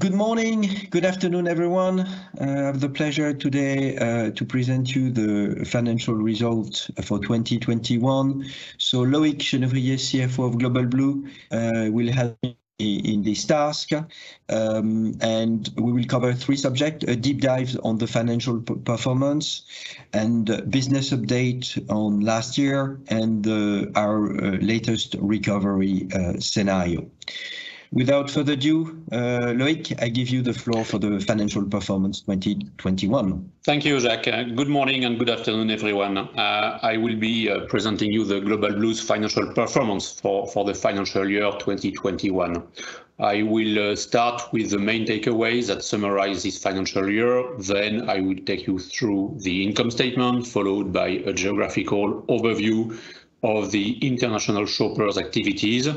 Good morning. Good afternoon, everyone. I have the pleasure today to present to you the Fnancial Results for 2021. Loic Jenouvrier, CFO of Global Blue, will help me in this task, and we will cover three subjects. A deep dive on the financial performance, and business update on last year, and our latest recovery scenario. Without further ado, Loic, I give you the floor for the financial performance 2021. Thank you, Jacques. Good morning and good afternoon, everyone. I will be presenting you the Global Blue's financial performance for the financial year 2021. I will start with the main takeaways that summarize this financial year. I will take you through the income statement, followed by a geographical overview of the international shoppers' activities.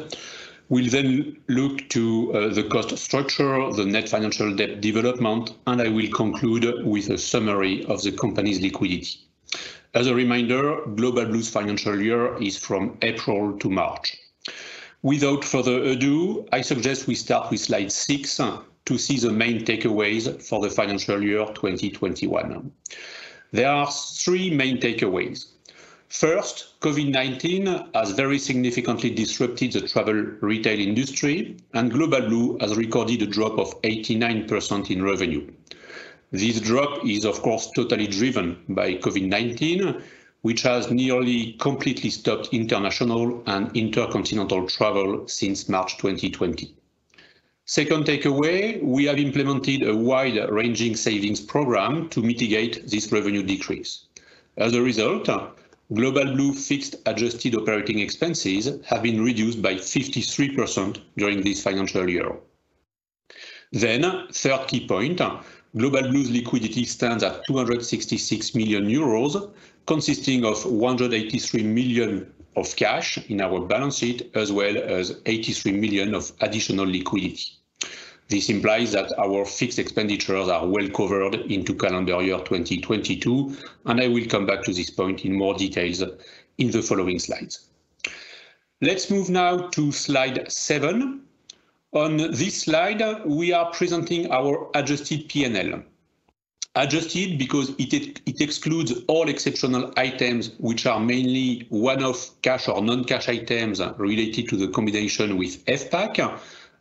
We'll then look to the cost structure, the net financial debt development, and I will conclude with a summary of the company's liquidity. As a reminder, Global Blue's financial year is from April to March. Without further ado, I suggest we start with slide six to see the main takeaways for the financial year 2021. There are three main takeaways. First, COVID-19 has very significantly disrupted the travel retail industry, and Global Blue has recorded a drop of 89% in revenue. This drop is, of course, totally driven by COVID-19, which has nearly completely stopped international and intercontinental travel since March 2020. Second takeaway, we have implemented a wide-ranging savings program to mitigate this revenue decrease. As a result, Global Blue fixed adjusted operating expenses have been reduced by 53% during this financial year. Third key point, Global Blue's liquidity stands at €266 million, consisting of €183 million of cash in our balance sheet, as well as €83 million of additional liquidity. This implies that our fixed expenditures are well covered into calendar year 2022, and I will come back to this point in more details in the following slides. Let's move now to slide seven. On this slide, we are presenting our adjusted P&L. Adjusted because it excludes all exceptional items, which are mainly one-off cash or non-cash items related to the combination with FPAC,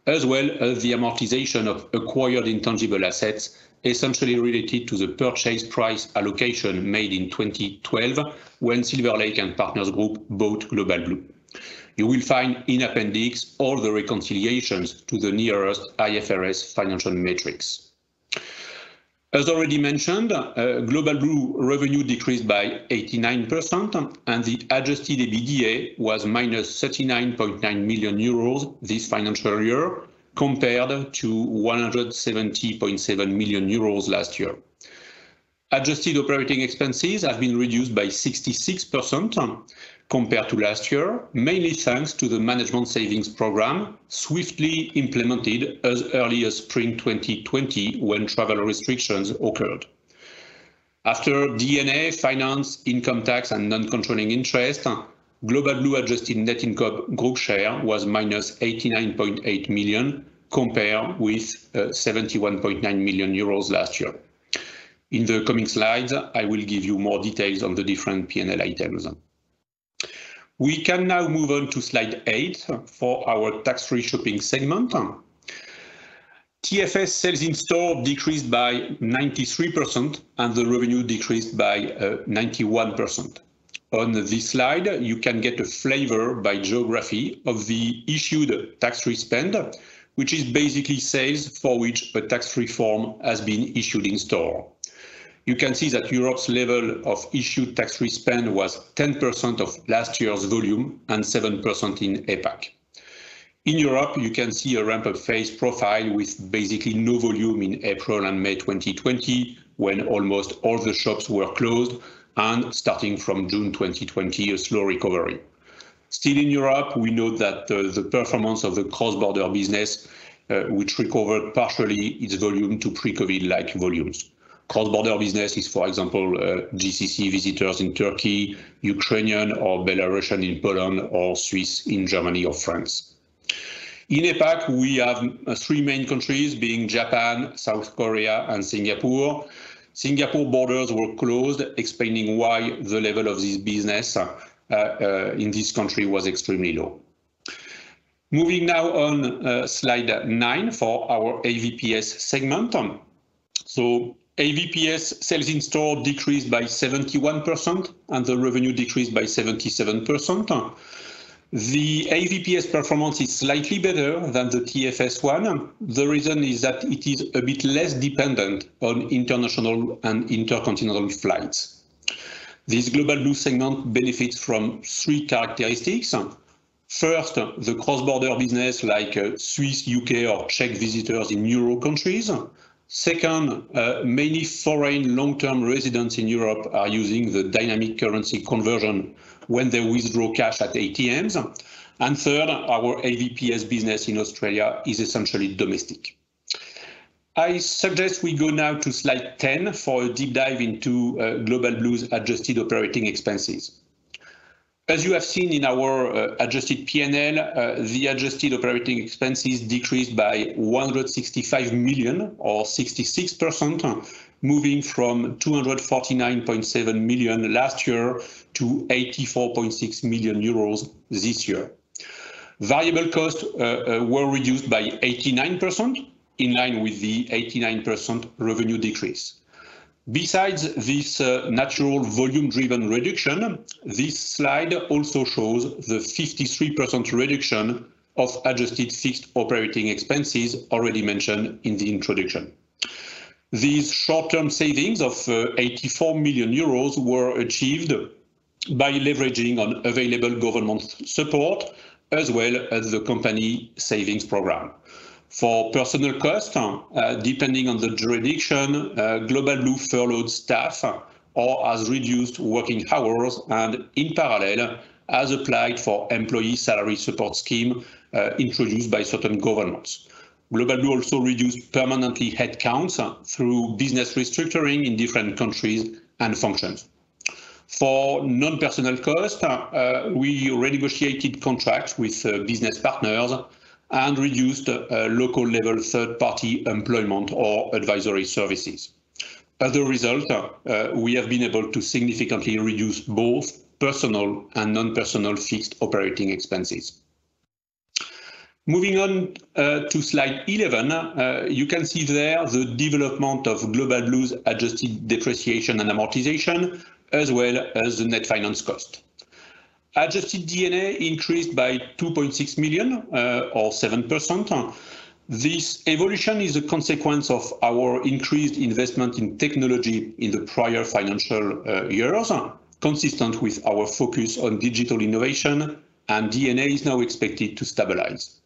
as well as the amortization of acquired intangible assets, essentially related to the purchase price allocation made in 2012 when Silver Lake and Partners Group bought Global Blue. You will find in appendix all the reconciliations to the nearest IFRS financial metrics. As already mentioned, Global Blue revenue decreased by 89% and the adjusted EBITDA was -39.9 million euros this financial year, compared to 170.7 million euros last year. Adjusted operating expenses have been reduced by 66% compared to last year, mainly thanks to the management savings program swiftly implemented as early as spring 2020, when travel restrictions occurred. After D&A, finance, income tax, and non-controlling interest, Global Blue adjusted net income group share was -89.8 million, compared with 71.9 million euros last year. In the coming slides, I will give you more details on the different P&L items. We can now move on to slide eight for our tax-free shopping segment. TFS sales in-store decreased by 93% and the revenue decreased by 91%. On this slide, you can get a flavor by geography of the issued tax-free spend, which is basically sales for which a tax-free form has been issued in store. You can see that Europe's level of issued tax-free spend was 10% of last year's volume and 7% in APAC. In Europe, you can see a ramped phase profile with basically no volume in April and May 2020, when almost all the shops were closed, and starting from June 2020, a slow recovery. Still in Europe, we note that the performance of the cross-border business, which recovered partially its volume to pre-COVID like volumes. Cross-border business is, for example, GCC visitors in Turkey, Ukrainian or Belarusian in Poland, or Swiss in Germany or France. In APAC, we have three main countries being Japan, South Korea, and Singapore. Singapore borders were closed, explaining why the level of this business in this country was extremely low. Moving now on slide nine for our AVPS segment. AVPS sales in-store decreased by 71% and the revenue decreased by 77%. The AVPS performance is slightly better than the TFS one. The reason is that it is a bit less dependent on international and intercontinental flights. This Global Blue segment benefits from three characteristics. First, the cross-border business like Swiss, U.K., or Czech visitors in Euro countries. Second, many foreign long-term residents in Europe are using the dynamic currency conversion when they withdraw cash at ATMs. Third, our AVPS business in Australia is essentially domestic. I suggest we go now to slide 10 for a deep dive into Global Blue's adjusted operating expenses. As you have seen in our adjusted P&L, the adjusted operating expenses decreased by 165 million or 66%, moving from 249.7 million last year to 84.6 million euros this year. Variable costs were reduced by 89%, in line with the 89% revenue decrease. Besides this natural volume-driven reduction, this slide also shows the 53% reduction of adjusted fixed operating expenses already mentioned in the introduction. These short-term savings of 84 million euros were achieved by leveraging on available government support as well as the company savings program. For personnel cost, depending on the jurisdiction, Global Blue furloughed staff or has reduced working hours and in parallel has applied for employee salary support scheme introduced by certain governments. Global Blue also reduced permanently headcount through business restructuring in different countries and functions. For non-personnel cost, we renegotiated contracts with business partners and reduced local-level third-party employment or advisory services. As a result, we have been able to significantly reduce both personnel and non-personnel fixed operating expenses. Moving on to slide 11, you can see there the development of Global Blue's adjusted depreciation and amortization, as well as the net finance cost. Adjusted D&A increased by 2.6 million or 7%. This evolution is a consequence of our increased investment in technology in the prior financial years, consistent with our focus on digital innovation. D&A is now expected to stabilize.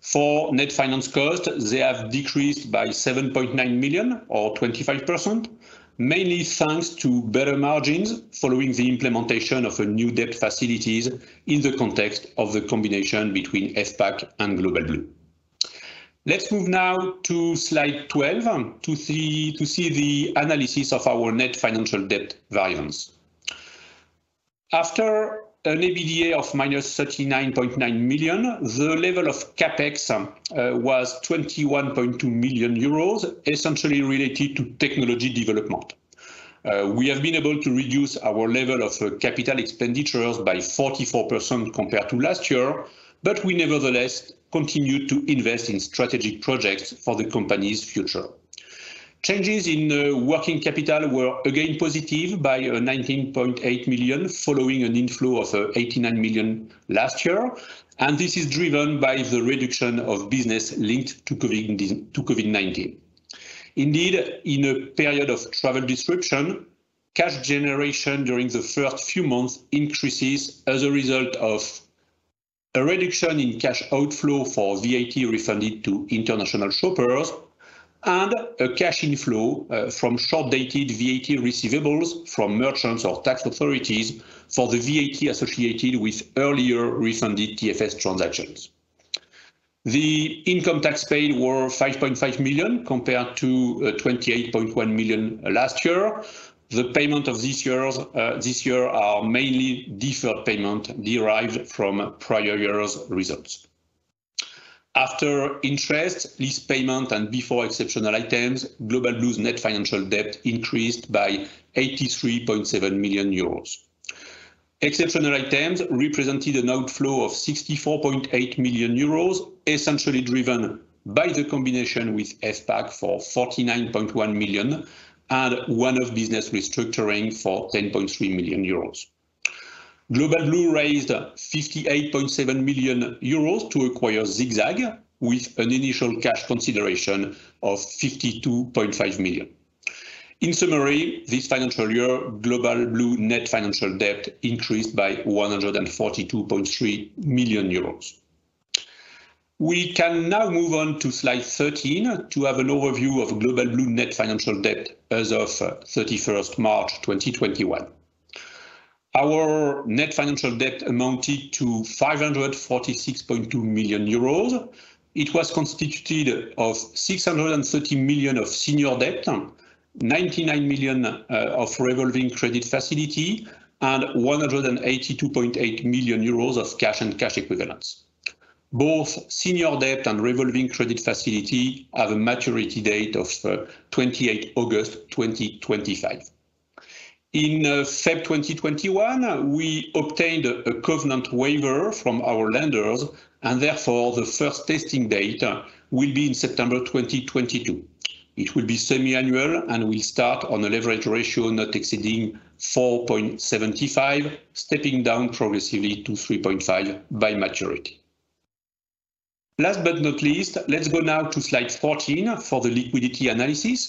For net finance costs, they have decreased by 7.9 million or 25%, mainly thanks to better margins following the implementation of new debt facilities in the context of the combination between FPAC and Global Blue. Let's move now to slide 12 to see the analysis of our net financial debt variance. After an EBITDA of -39.9 million, the level of CapEx was 21.2 million euros, essentially related to technology development. We have been able to reduce our level of capital expenditures by 44% compared to last year, but we nevertheless continue to invest in strategic projects for the company's future. Changes in working capital were again positive by 19.8 million following an inflow of 89 million last year, and this is driven by the reduction of business linked to COVID-19. Indeed, in a period of travel disruption, cash generation during the first few months increases as a result of a reduction in cash outflow for VAT refunded to international shoppers, and a cash inflow from short-dated VAT receivables from merchants or tax authorities for the VAT associated with earlier refunded TFS transactions. The income tax paid was 5.5 million compared to 28.1 million last year. The payment of this year are mainly deferred payment derived from prior years' results. After interest, this payment and before exceptional items, Global Blue's net financial debt increased by 83.7 million euros. Exceptional items represented an outflow of 64.8 million euros, essentially driven by the combination with SPAC for 49.1 million and one-off business restructuring for 10.3 million euros. Global Blue raised 58.7 million euros to acquire ZigZag with an initial cash consideration of 52.5 million. In summary, this financial year, Global Blue net financial debt increased by 142.3 million euros. We can now move on to slide 13 to have an overview of Global Blue net financial debt as of March 31st 2021. Our net financial debt amounted to 546.2 million euros. It was constituted of 630 million of senior debt, 99 million of revolving credit facility, and 182.8 million euros of cash and cash equivalents. Both senior debt and revolving credit facility have a maturity date of August 28 2025. In February 2021, we obtained a covenant waiver from our lenders and therefore the first testing date will be in September 2022, which will be semi-annual and will start on a leverage ratio not exceeding 4.75, stepping down progressively to 3.5 by maturity. Last but not least, let's go now to slide 14 for the liquidity analysis.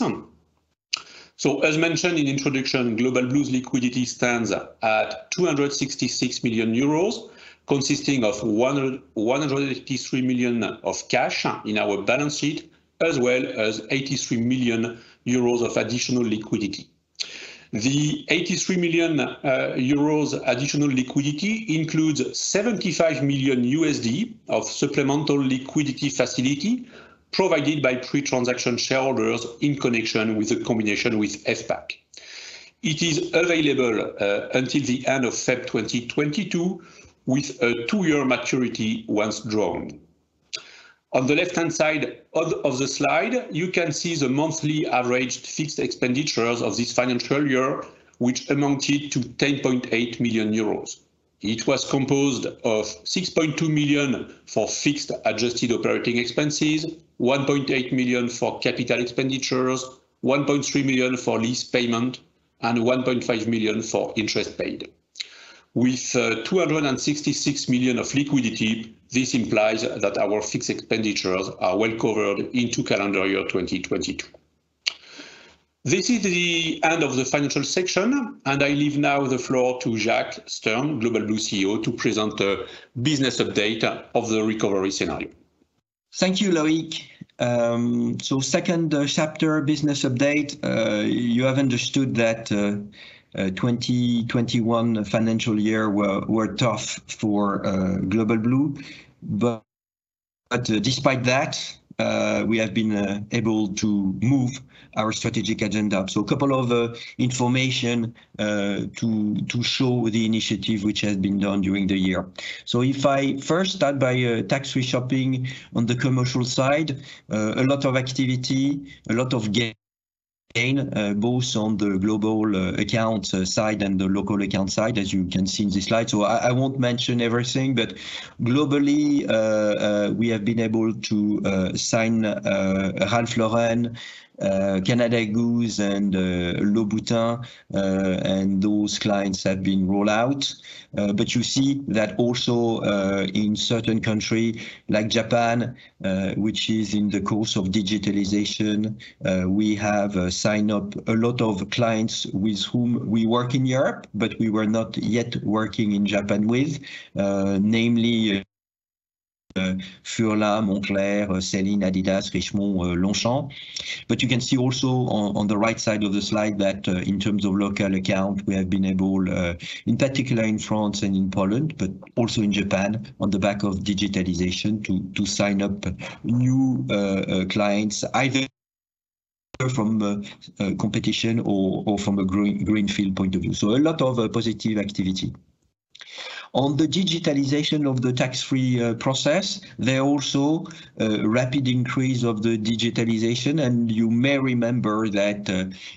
As mentioned in introduction, Global Blue's liquidity stands at 266 million euros, consisting of 183 million of cash in our balance sheet, as well as 83 million euros of additional liquidity. The 83 million euros additional liquidity includes $75 million of supplemental liquidity facility provided by pre-transaction shareholders in connection with the combination with SPAC. It is available until the end of February 2022 with a two-year maturity once drawn. On the left-hand side of the slide, you can see the monthly average fixed expenditures of this financial year, which amounted to 10.8 million euros. It was composed of 6.2 million for fixed adjusted operating expenses, 1.8 million for capital expenditures, 1.3 million for lease payment, and 1.5 million for interest paid. With 266 million of liquidity, this implies that our fixed expenditures are well covered into calendar year 2022. This is the end of the financial section, I leave now the floor to Jacques Stern, Global Blue CEO, to present the business update of the recovery scenario. Thank you, Loic. Second chapter, business update. You have understood that 2021 financial year were tough for Global Blue. Despite that, we have been able to move our strategic agenda up. A couple of information to show the initiative which has been done during the year. If I first start by tax-free shopping on the commercial side, a lot of activity, a lot of gain, both on the global account side and the local account side, as you can see in this slide. I won't mention everything, but globally, we have been able to sign Ralph Lauren, Canada Goose, and Louboutin, and those clients have been rolled out. You see that also, in certain country like Japan, which is in the course of digitalization, we have signed up a lot of clients with whom we work in Europe, but we were not yet working in Japan with. Namely, Furla, Moncler, Celine, Adidas, Richemont, Longchamp. You can see also on the right side of the slide that in terms of local account, we have been able, in particular in France and in Poland, but also in Japan, on the back of digitalization to sign up new clients, either from competition or from a greenfield point of view. A lot of positive activity. On the digitalization of the tax-free process, there also rapid increase of the digitalization, and you may remember that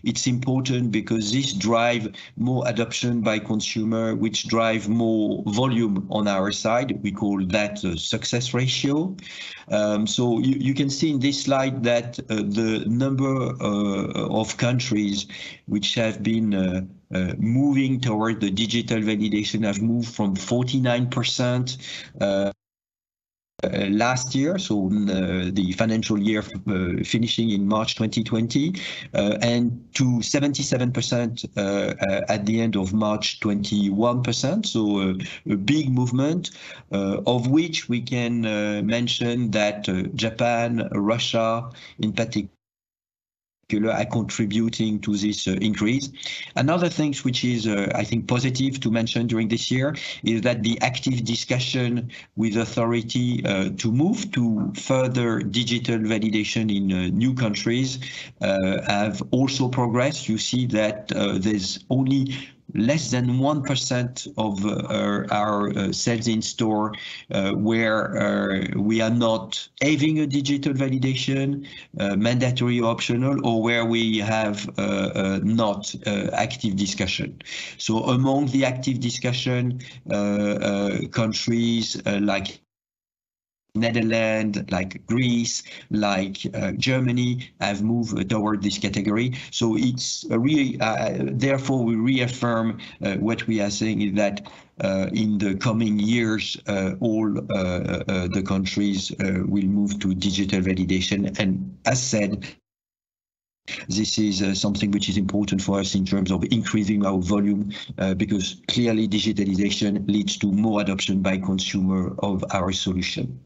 it's important because this drive more adoption by consumer, which drive more volume on our side. We call that success ratio. You can see in this slide that the number of countries which have been moving toward the digital validation has moved from 49% last year, the financial year finishing in March 2020, and to 77% at the end of March 2021. A big movement, of which we can mention that Japan, Russia in particular are contributing to this increase. Another thing which is, I think, positive to mention during this year is that the active discussion with authority to move to further digital validation in new countries have also progressed. You see that there's only less than 1% of our sales in store where we are not having a digital validation, mandatory or optional, or where we have not active discussion. Among the active discussion, countries like Netherlands, like Greece, like Germany, have moved toward this category. Therefore, we reaffirm what we are saying is that in the coming years, all the countries will move to digital validation. As said, this is something which is important for us in terms of increasing our volume, because clearly, digitalization leads to more adoption by consumer of our solution.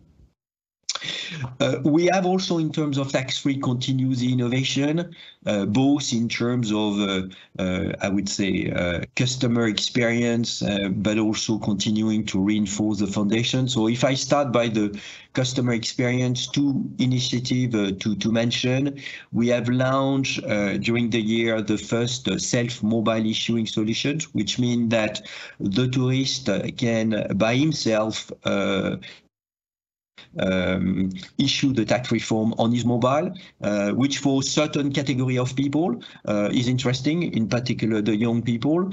We have also, in terms of tax-free, continued the innovation, both in terms of, I would say, customer experience, but also continuing to reinforce the foundation. If I start by the customer experience, two initiative to mention. We have launched, during the year, the first self mobile issuing solution, which mean that the tourist can, by himself, issue the tax refund on his mobile, which for certain category of people is interesting, in particular the young people.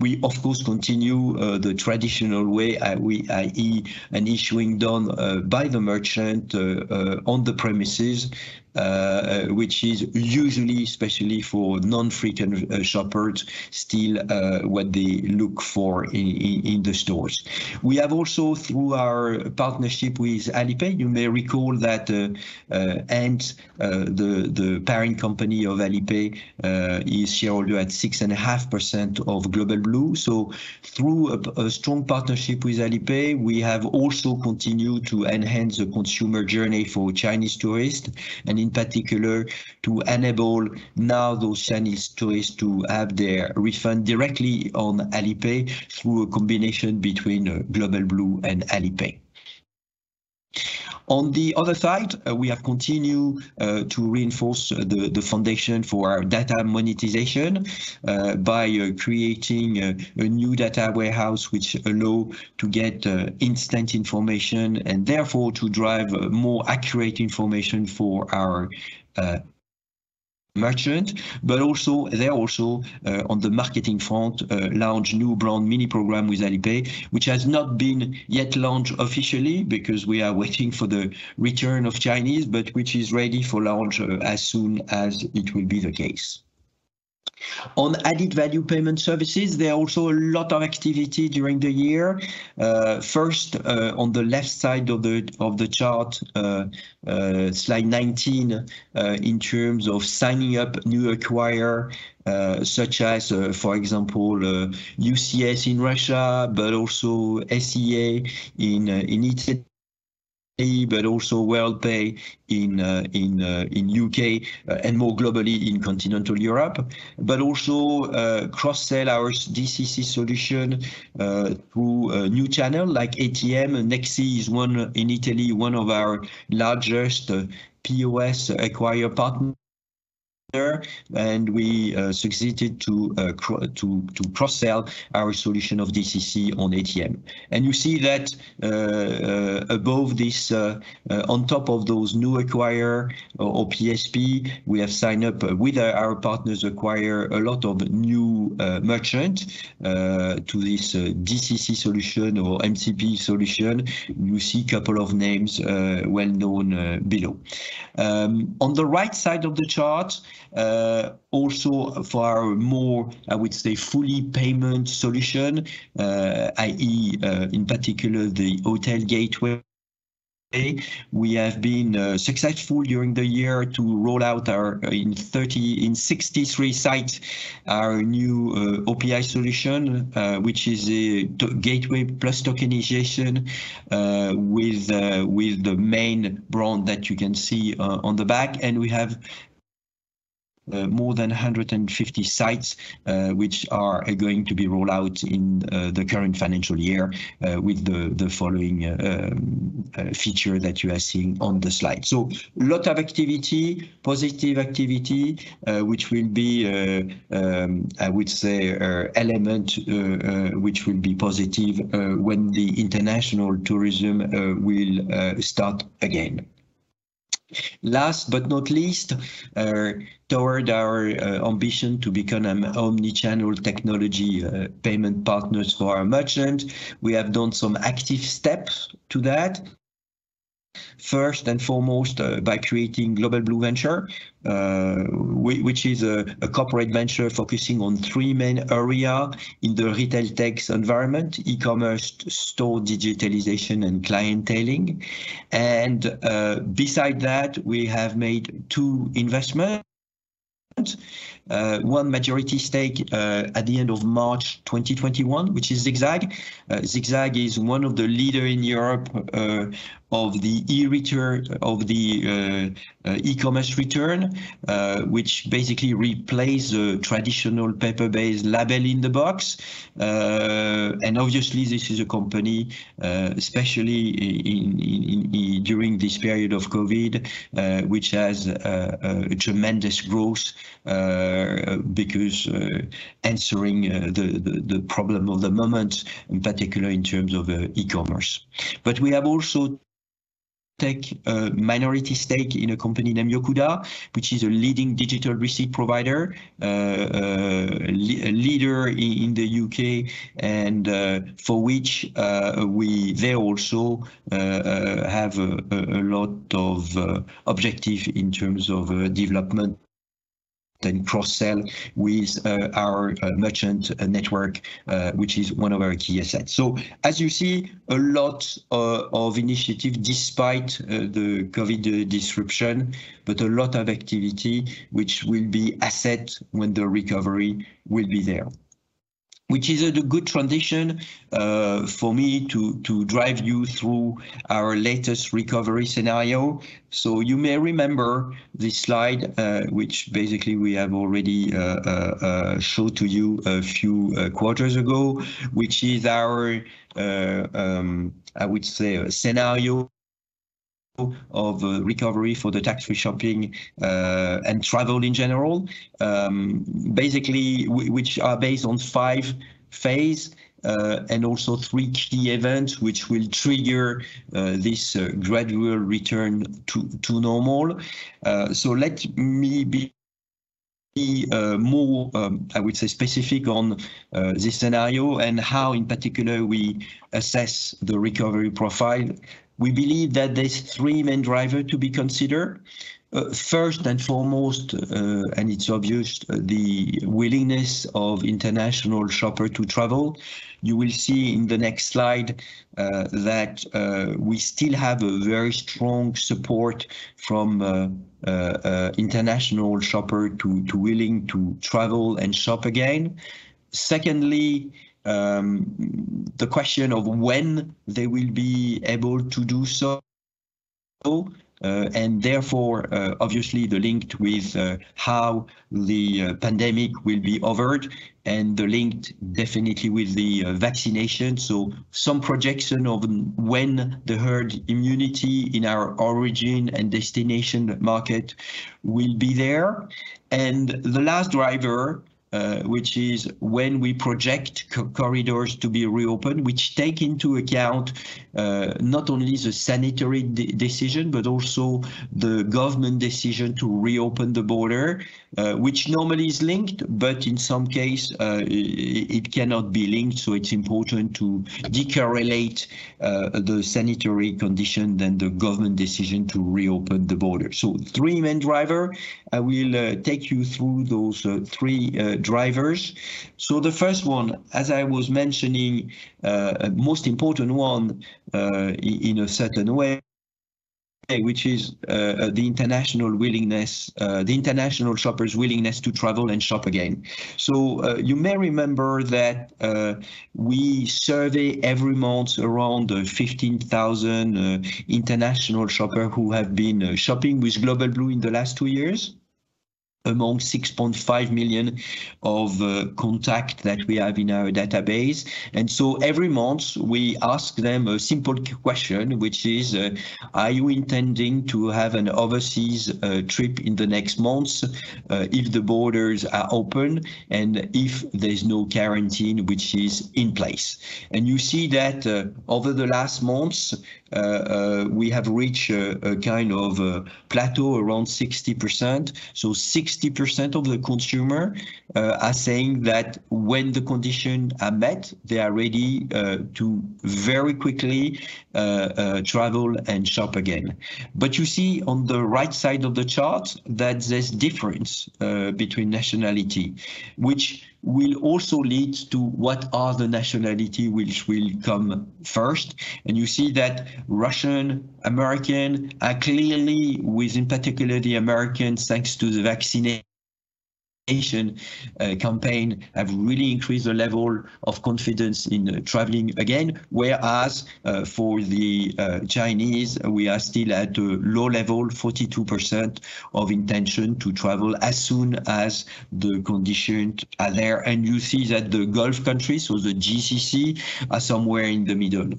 We, of course, continue the traditional way, i.e., an issuing done by the merchant on the premises, which is usually, especially for non-frequent shoppers, still what they look for in the stores. We have also, through our partnership with Alipay, you may recall that Ant, the parent company of Alipay, is shareholder at 6.5% of Global Blue. Through a strong partnership with Alipay, we have also continued to enhance the consumer journey for Chinese tourists, and in particular, to enable now those Chinese tourists to have their refund directly on Alipay through a combination between Global Blue and Alipay. On the other side, we have continued to reinforce the foundation for our data monetization by creating a new data warehouse which allows to get instant information and therefore to drive more accurate information for our merchant. Also, there also on the marketing front, launch new brand mini program with Alipay, which has not been yet launched officially because we are waiting for the return of Chinese, but which is ready for launch as soon as it will be the case. On added value payment services, there are also a lot of activity during the year. First, on the left side of the chart, slide 19, in terms of signing up new acquirers such as, for example, UCS in Russia, also SIA in Italy, also Worldpay in U.K., and more globally in continental Europe. Also cross-sell our DCC solution through a new channel like ATM. Nexi is, in Italy, one of our largest POS acquire partners there, and we succeeded to cross-sell our solution of DCC on ATM. You see that on top of those new acquirers or PSP, we have signed up with our partners acquire a lot of new merchants to this DCC solution or MCP solution. You see a couple of names well known below. On the right side of the chart, also for more, I would say, fully payment solution, i.e., in particular the hotel gateway. We have been successful during the year to roll out in 63 sites our new OPI solution, which is a gateway plus tokenization, with the main brand that you can see on the back. We have more than 150 sites, which are going to be rolled out in the current financial year with the following feature that you are seeing on the slide. A lot of activity, positive activity, which will be, I would say, element which will be positive when the international tourism will start again. Last but not least, toward our ambition to become an omni-channel technology payment partners for our merchants, we have done some active steps to that. First and foremost, by creating Global Blue Ventures, which is a corporate venture focusing on three main areas in the RetailTech environment, e-commerce, store digitalization, and clienteling. Beside that, we have made two investments. One majority stake at the end of March 2021, which is ZigZag. ZigZag is one of the leaders in Europe of the e-commerce return, which basically replaced the traditional paper-based label in the box. Obviously this is a company, especially during this period of COVID, which has a tremendous growth because answering the problem of the moment, in particular in terms of e-commerce. We have also take a minority stake in a company named Yocuda, which is a leading digital receipt provider, a leader in the U.K., and for which they also have a lot of objective in terms of development and cross-sell with our merchant network, which is one of our key assets. As you see, a lot of initiatives despite the COVID-19 disruption, but a lot of activity which will be asset when the recovery will be there. Which is a good transition for me to drive you through our latest recovery scenario. You may remember this slide, which basically we have already showed to you a few quarters ago, which is our, I would say, scenario of recovery for the tax-free shopping and travel in general. Basically, which are based on five phases, and also three key events, which will trigger this gradual return to normal. Let me be more, I would say, specific on this scenario and how, in particular, we assess the recovery profile. We believe that there's three main drivers to be considered. First and foremost, and it's obvious, the willingness of international shoppers to travel. You will see in the next slide that we still have a very strong support from international shoppers willing to travel and shop again. Secondly, the question of when they will be able to do so. Therefore, obviously linked with how the pandemic will be over and linked definitely with the vaccination. Some projection of when the herd immunity in our origin and destination market will be there. The last driver, which is when we project corridors to be reopened, which take into account not only the sanitary decision but also the government decision to reopen the border, which normally is linked, but in some case, it cannot be linked. It's important to de-correlate the sanitary condition, then the government decision to reopen the border. Three main drivers. I will take you through those three drivers. The first one, as I was mentioning, most important one in a certain way, which is the international shopper's willingness to travel and shop again. You may remember that we survey every month around 15,000 international shoppers who have been shopping with Global Blue in the last two years, among 6.5 million of contacts that we have in our database. Every month we ask them a simple question, which is, are you intending to have an overseas trip in the next months if the borders are open and if there's no quarantine which is in place? You see that over the last months, we have reached a kind of a plateau around 60%. 60% of the consumer are saying that when the condition are met, they are ready to very quickly travel and shop again. You see on the right side of the chart that there's difference between nationality, which will also lead to what are the nationality which will come first. You see that Russian, American are clearly within, particularly Americans, thanks to the vaccination campaign, have really increased the level of confidence in traveling again. Whereas for the Chinese, we are still at a low level, 42% of intention to travel as soon as the condition are there. You see that the Gulf countries or the GCC are somewhere in the middle.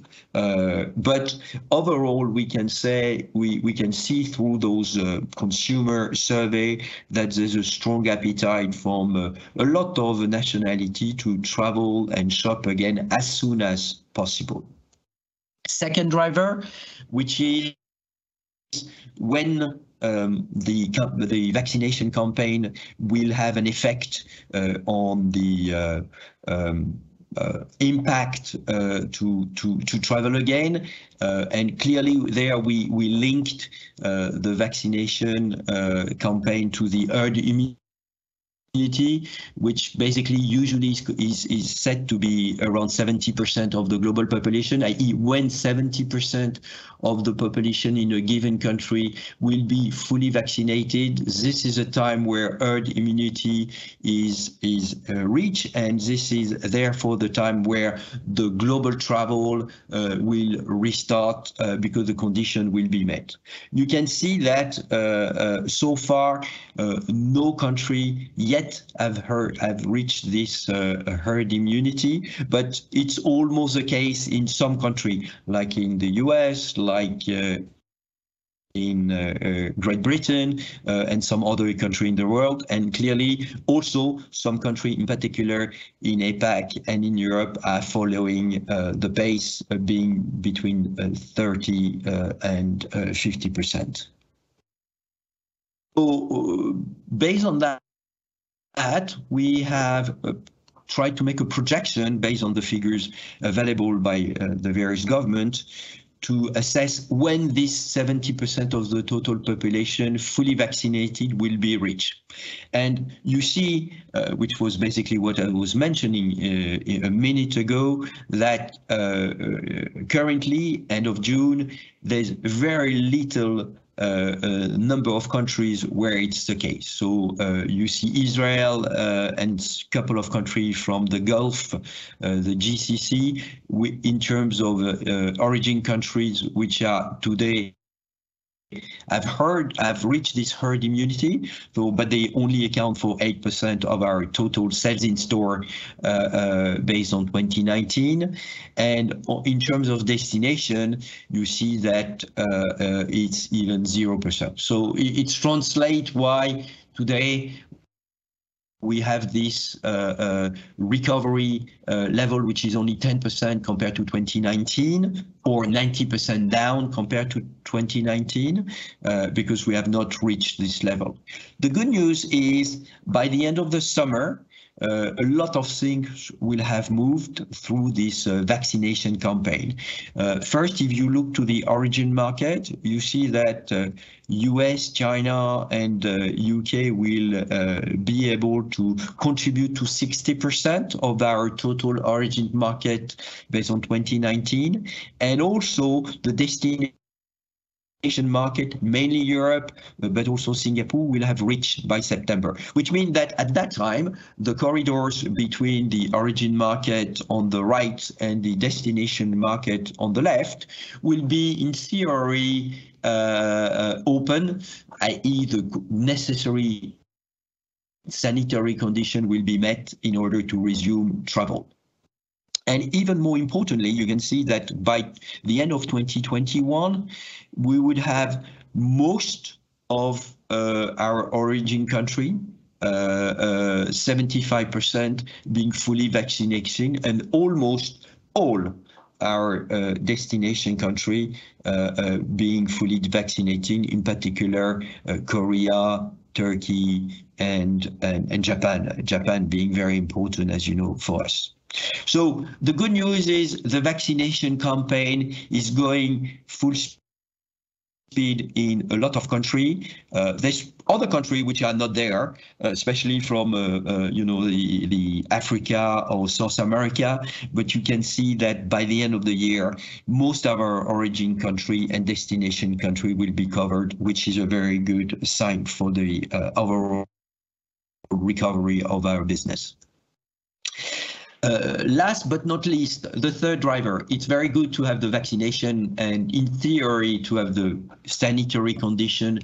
Overall, we can see through those consumer survey that there's a strong appetite from a lot of the nationality to travel and shop again as soon as possible. Second driver, which is when the vaccination campaign will have an effect on the impact to travel again. Clearly there we linked the vaccination campaign to the herd immunity, which basically usually is set to be around 70% of the global population, i.e., when 70% of the population in a given country will be fully vaccinated. This is a time where herd immunity is reached, this is therefore the time where the global travel will restart because the condition will be met. You can see that so far no country yet have reached this herd immunity, but it's almost the case in some country, like in the U.S., like in Great Britain and some other country in the world, clearly also some country in particular in APAC and in Europe are following the pace of being between 30% and 50%. Based on that, we have tried to make a projection based on the figures available by the various government to assess when this 70% of the total population fully vaccinated will be reached. You see, which was basically what I was mentioning a minute ago, that currently end of June, there's very little number of countries where it's the case. You see Israel and couple of countries from the Gulf, the GCC, in terms of origin countries which are today have reached this herd immunity, but they only account for 8% of our total selling store base of 2019. In terms of destination, you see that it's even 0%. It translate why today we have this recovery level, which is only 10% compared to 2019 or 90% down compared to 2019 because we have not reached this level. The good news is by the end of the summer, a lot of things will have moved through this vaccination campaign. If you look to the origin market, you see that U.S., China, and U.K. will be able to contribute to 60% of our total origin market based on 2019. Also the destination market, mainly Europe, but also Singapore, will have reached by September, which means that at that time, the corridors between the origin market on the right and the destination market on the left will be in theory open, i.e., the necessary sanitary condition will be met in order to resume travel. Even more importantly, you can see that by the end of 2021, we would have most of our origin country, 75% being fully vaccinated, and almost all our destination country, being fully vaccinated, in particular, Korea, Turkey, and Japan. Japan being very important, as you know, for us. The good news is the vaccination campaign is going full speed in a lot of countries. There's other country which are not there, especially from the Africa or South America, but you can see that by the end of the year, most of our origin country and destination country will be covered, which is a very good sign for the overall recovery of our business. Last but not least, the third driver. It's very good to have the vaccination, and in theory, to have the sanitary condition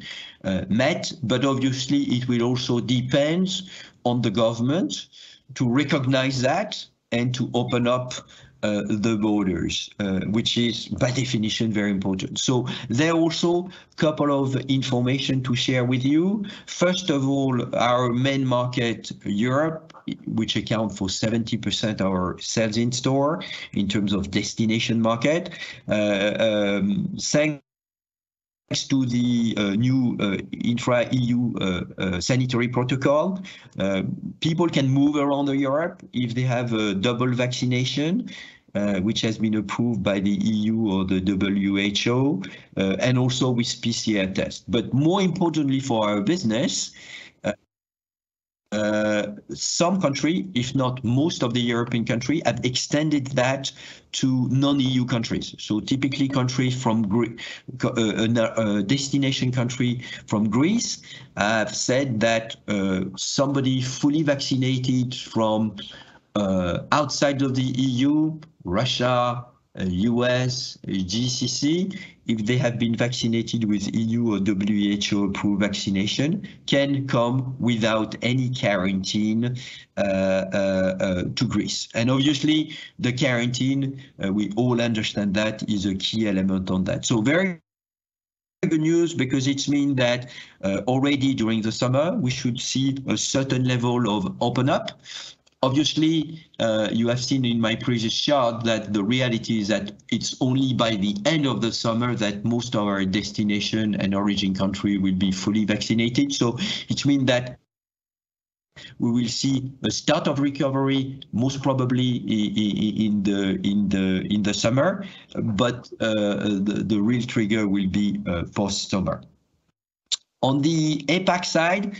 met. Obviously, it will also depends on the government to recognize that and to open up the borders, which is by definition very important. There are also couple of information to share with you. First of all, our main market, Europe, which account for 70% our sales in store in terms of destination market. Thanks to the new intra-EU sanitary protocol, people can move around Europe if they have a double vaccination, which has been approved by the EU or the WHO, and also with PCR test. More importantly for our business, some country, if not most of the European country, have extended that to non-EU countries. Typically, destination country from Greece have said that, somebody fully vaccinated from outside of the EU, Russia, U.S., GCC, if they have been vaccinated with EU or WHO-approved vaccination, can come without any quarantine to Greece. Obviously, the quarantine, we all understand that is a key element on that. Very good news because it mean that, already during the summer, we should see a certain level of open up. Obviously, you have seen in my previous chart that the reality is that it's only by the end of the summer that most of our destination and origin country will be fully vaccinated. It mean that we will see a start of recovery, most probably in the summer. The real trigger will be post-summer. On the APAC side,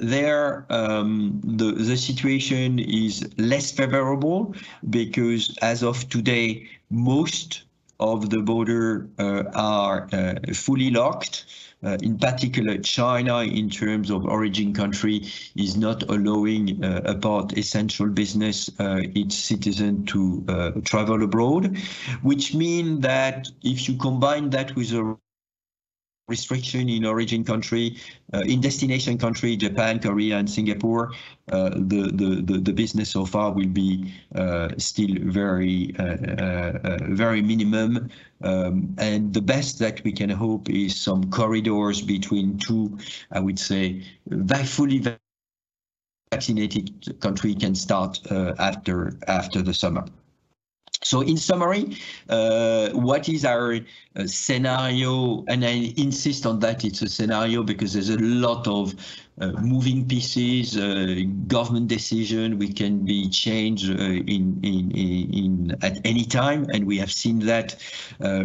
there, the situation is less favorable because as of today, most of the border are fully locked. In particular China, in terms of origin country, is not allowing apart essential business, its citizen to travel abroad, which mean that if you combine that with a restriction in destination country, Japan, Korea, and Singapore, the business so far will be still very minimum. The best that we can hope is some corridors between two, I would say, fully vaccinated country can start after the summer. In summary, what is our scenario? I insist on that it's a scenario because there's a lot of moving pieces, government decision, we can be changed at any time, and we have seen that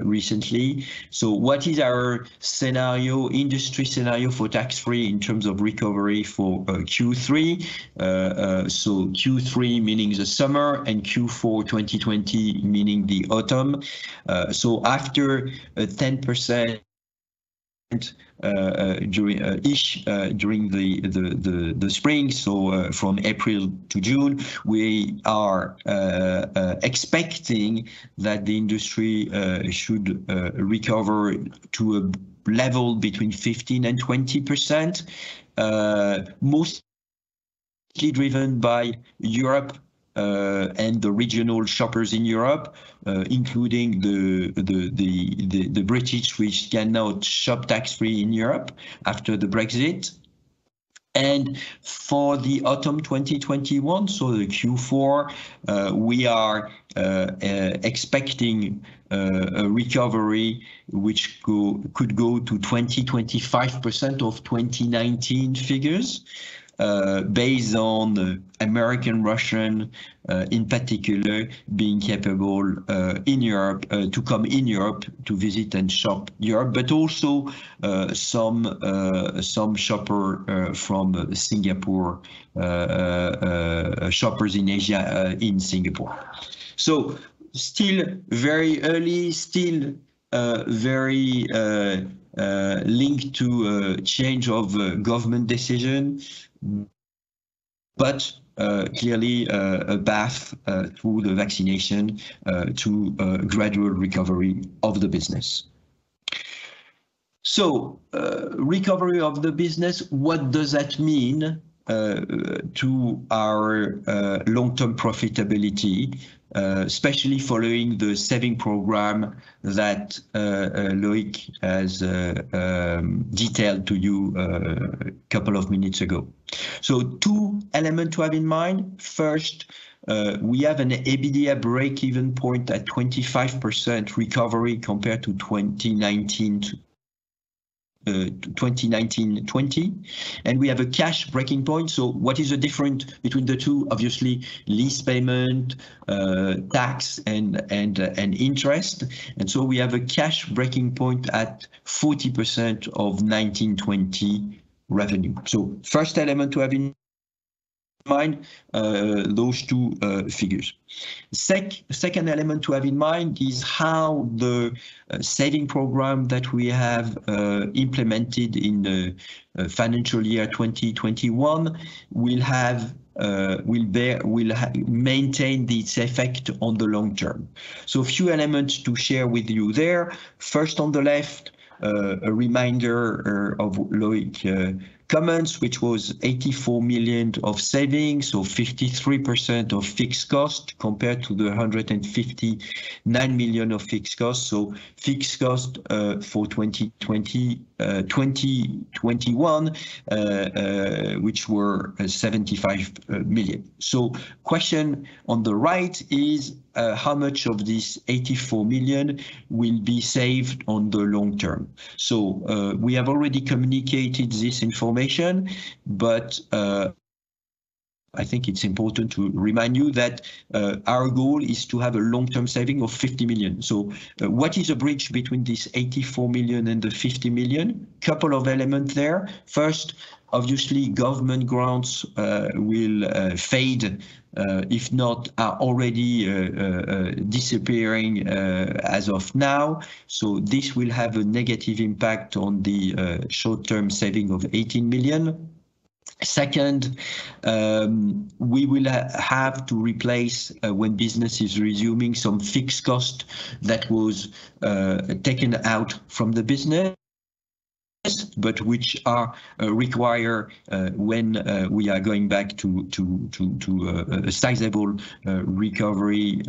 recently. What is our industry scenario for tax-free in terms of recovery for Q3? Q3 meaning the summer, and Q4 2020, meaning the autumn. After 10% ish, during the spring, from April to June, we are expecting that the industry should recover to a level between 15% and 20%, mostly driven by Europe, and the regional shoppers in Europe, including the British, which can now shop tax-free in Europe after the Brexit. For the autumn 2021, so the Q4, we are expecting a recovery which could go to 20%-25% of 2019 figures, based on American, Russian, in particular, being capable to come in Europe to visit and shop Europe, but also, some shopper from Singapore, shoppers in Asia, in Singapore. Still very early, still very linked to a change of government decision. Clearly, a path through the vaccination, to gradual recovery of the business. Recovery of the business, what does that mean to our long-term profitability, especially following the saving program that Loic has detailed to you a couple of minutes ago? Two elements to have in mind. First, we have an EBITDA break-even point at 25% recovery compared to 2019-2019-2020. We have a cash breaking point. What is the difference between the two? Obviously, lease payment, tax, and interest. We have a cash breaking point at 40% of 2019-2020 revenue. First element to have in mind, those two figures. Second element to have in mind is how the saving program that we have implemented in the financial year 2021 will maintain its effect on the long term. A few elements to share with you there. First, on the left, a reminder of Loic comments, which was 84 million of savings or 53% of fixed cost compared to the 159 million of fixed cost. Fixed cost for 2020-2021, which were 75 million. Question on the right is how much of this 84 million will be saved on the long term? We have already communicated this information, but I think it's important to remind you that our goal is to have a long-term saving of 50 million. What is the bridge between this 84 million and the 50 million? Couple of elements there. First, obviously, government grants will fade, if not are already disappearing as of now. This will have a negative impact on the short-term saving of 18 million. Second, we will have to replace, when business is resuming, some fixed cost that was taken out from the business, but which are required when we are going back to a sizable recovery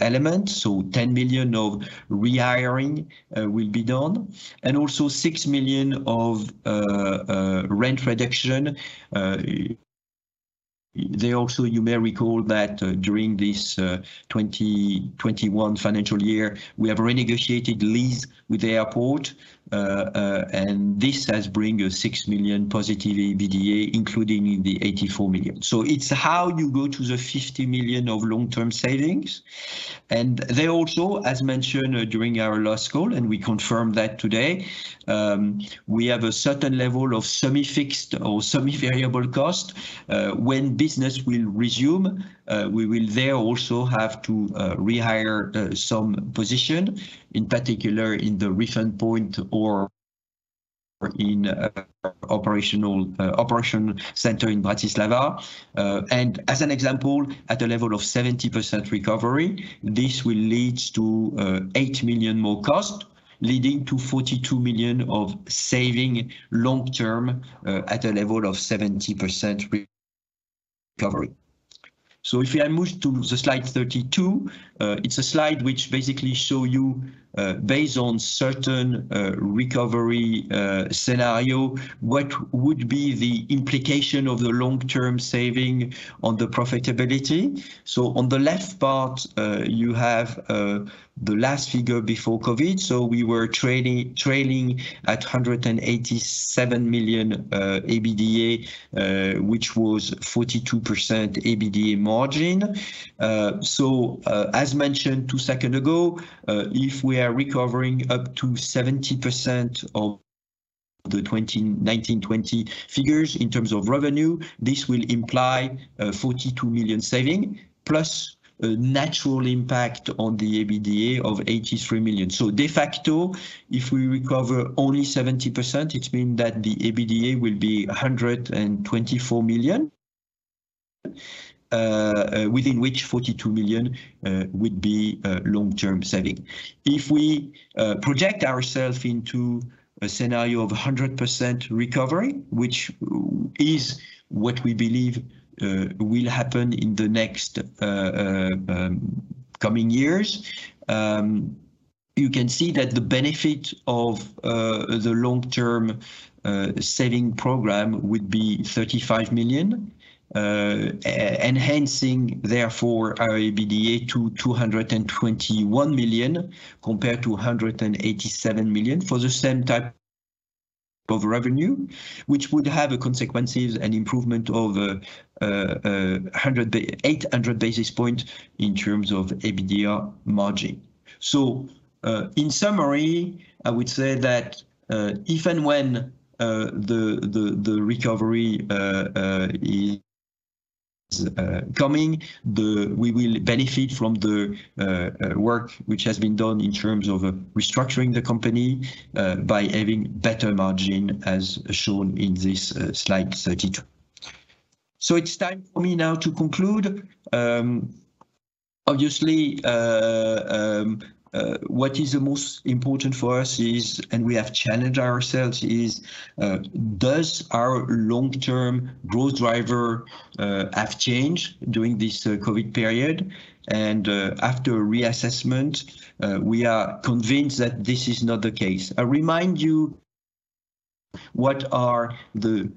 element. 10 million of rehiring will be done and also EUR 6 million of rent reduction. There also, you may recall that during this 2021 financial year, we have renegotiated lease with the airport, and this has bring a 6 million positive EBITDA, including in the 84 million. It's how you go to the 50 million of long-term savings. There also, as mentioned during our last call, and we confirm that today, we have a certain level of semi-fixed or semi-variable cost. When business will resume, we will there also have to rehire some position, in particular in the POS or in operation center in Bratislava. As an example, at a level of 70% recovery, this will lead to 8 million more cost, leading to 42 million of saving long term at a level of 70% recovery. If you now move to the slide 32, it's a slide which basically show you, based on certain recovery scenario, what would be the implication of the long-term saving on the profitability. On the left part, you have the last figure before COVID. We were trading at 187 million EBITDA, which was 42% EBITDA margin. As mentioned two seconds ago, if we are recovering up to 70% of the 2019-2020 figures in terms of revenue, this will imply a 42 million saving plus a natural impact on the EBITDA of 83 million. De facto, if we recover only 70%, it mean that the EBITDA will be 124 million, within which 42 million would be long-term saving. If we project ourselves into a scenario of 100% recovery, which is what we believe will happen in the next coming years, you can see that the benefit of the long-term saving program would be 35 million, enhancing therefore our EBITDA to 221 million compared to 187 million for the same type of revenue, which would have a consequences and improvement of 800 basis points in terms of EBITDA margin. In summary, I would say that even when the recovery is coming, we will benefit from the work which has been done in terms of restructuring the company by having better margin, as shown in this slide 32. It's time for me now to conclude. What is the most important for us is, and we have challenged ourselves is, does our long-term growth driver have changed during this COVID period? After reassessment, we are convinced that this is not the case. I remind you what are the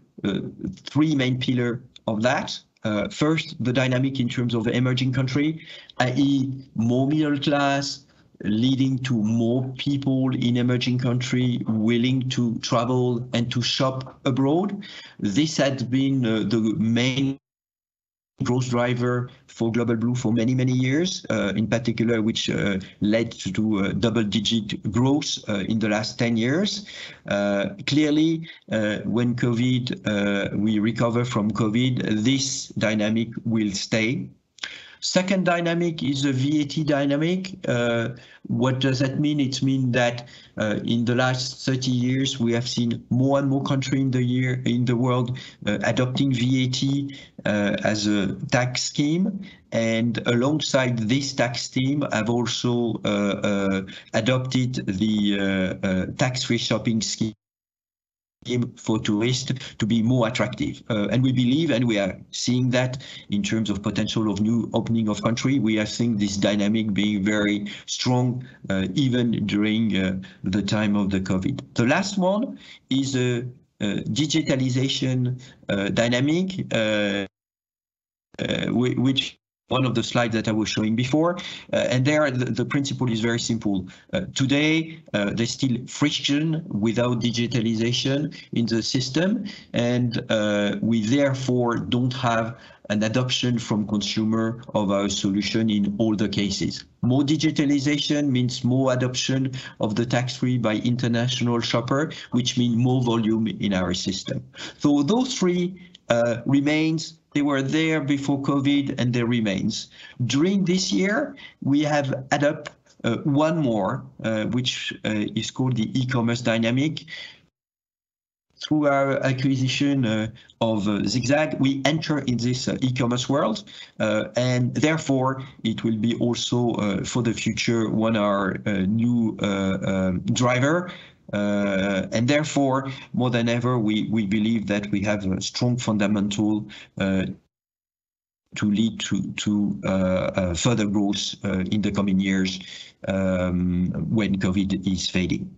three main pillar of that. First, the dynamic in terms of emerging country, i.e., more middle class, leading to more people in emerging country willing to travel and to shop abroad. This had been the main growth driver for Global Blue for many, many years, in particular, which led to double-digit growth in the last 10 years. Clearly, when we recover from COVID, this dynamic will stay. Second dynamic is a VAT dynamic. What does that mean? It means that in the last 30 years, we have seen more and more country in the world adopting VAT as a tax scheme. Alongside this tax scheme, have also adopted the tax-free shopping scheme for tourists to be more attractive. We believe, and we are seeing that in terms of potential of new opening of country, we are seeing this dynamic being very strong, even during the time of the COVID. The last one is a digitalization dynamic, which one of the slides that I was showing before. There, the principle is very simple. Today, there's still friction without digitalization in the system, and we therefore don't have an adoption from consumer of our solution in all the cases. More digitalization means more adoption of the tax-free by international shopper, which means more volume in our system. Those three remains. They were there before COVID, and they remains. During this year, we have add up one more, which is called the e-commerce dynamic. Through our acquisition of Zigzag, we enter in this e-commerce world, therefore, it will be also, for the future, one our new driver. Therefore, more than ever, we believe that we have a strong fundamental to lead to further growth in the coming years when COVID is fading.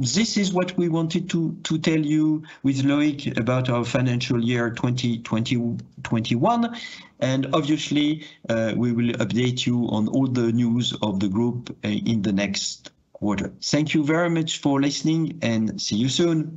This is what we wanted to tell you with Loic about our financial year 2021. Obviously, we will update you on all the news of the group in the next quarter. Thank you very much for listening, and see you soon.